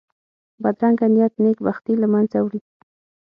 بدرنګه نیت نېک بختي له منځه وړي